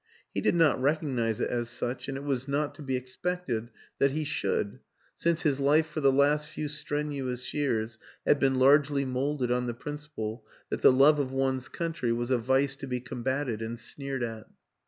He did not recognize it as such, and it was not to WILLIAM AN ENGLISHMAN 113 be expected that he should, since his life for the last few strenuous years had been largely molded on the principle that the love of one's country was a vice to be combated and sneered at.